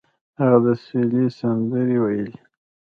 هغه د سولې سندرې ویلې.